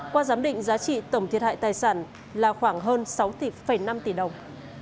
qua giám định giá trị tổng thiệt hại tài sản là khoảng hơn sáu năm tỷ đồng